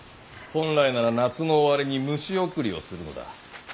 本来なら夏の終わりに虫送りをするのだ。